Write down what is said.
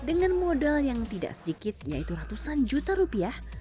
dengan modal yang tidak sedikit yaitu ratusan juta rupiah